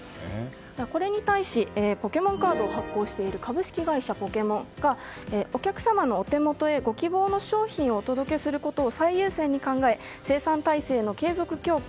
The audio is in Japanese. これに対しポケモンカードを発行している株式会社ポケモンがお客様のお手元へご希望の商品をお届けすることを最優先に考え生産体制の継続強化